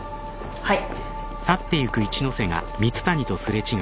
はい。